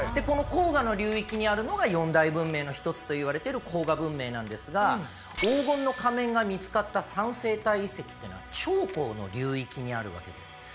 この黄河の流域にあるのが四大文明の一つといわれてる黄河文明なんですが黄金の仮面が見つかった三星堆遺跡っていうのは長江の流域にあるわけです。